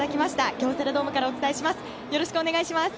京セラドームからお伝えします。